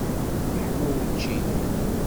Yeḥma wučči-a?